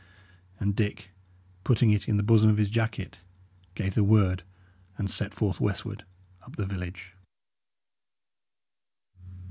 And Dick, putting it in the bosom of his jacket, gave the word and set forth westward up the village.